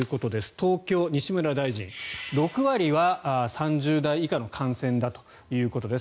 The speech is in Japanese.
東京、西村大臣６割は３０代以下の感染だということです。